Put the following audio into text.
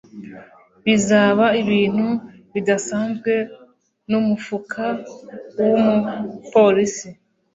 bizaba ibintu bidasanzwen'umufuka wumupolisi